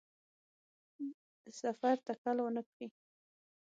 د سفر تکل ونکړي.